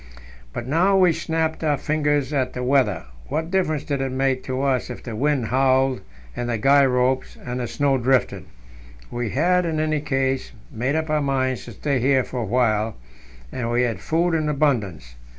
But now we snapped our fingers at the weather; what difference did it make to us if the wind howled in the guy ropes and the snow drifted? We had, in any case, made up our minds to stay here for a while, and we had food in abundance.